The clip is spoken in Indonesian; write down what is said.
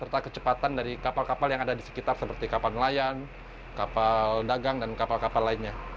serta kecepatan dari kapal kapal yang ada di sekitar seperti kapal nelayan kapal dagang dan kapal kapal lainnya